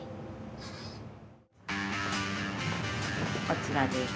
こちらです。